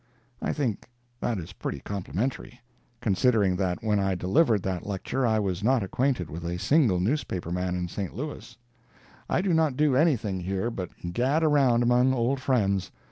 I think that is pretty complimentary, considering that when I delivered that lecture I was not acquainted with a single newspaper man in St. Louis. I do not do anything here but gad around among old friends.